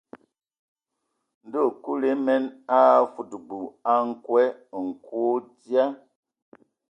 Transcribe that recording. Ndɔ Kulu emen a afudubu a nkwe: nkwe o dzyee.